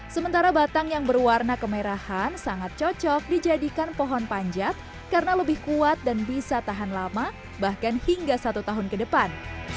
sementara batang yang berwarna kemerahan sangat cocok dijadikan pohon panjat karena lebih kuat dan bisa tahan lama bahkan hingga satu tahun ke depan